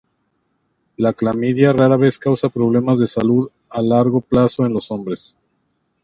La clamidia rara vez causa problemas de salud a largo plazo en los hombres.